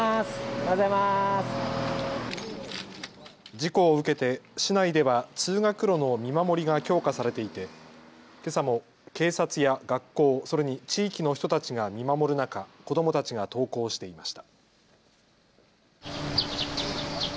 事故を受けて市内では通学路の見守りが強化されていてけさも警察や学校、それに地域の人たちが見守る中、子どもたちが登校していました。